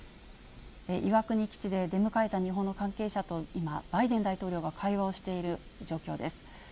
岩国基地で出迎えた日本の関係者と今、バイデン大統領が会話をしている状況です。